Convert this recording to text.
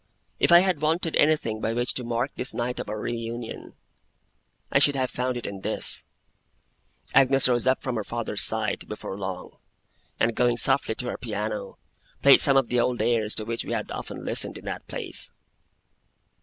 If I had wanted anything by which to mark this night of our re union, I should have found it in this. Agnes rose up from her father's side, before long; and going softly to her piano, played some of the old airs to which we had often listened in that place.